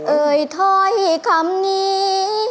เอ่ยทศของคำนี้